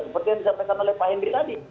seperti yang disampaikan oleh pak henry tadi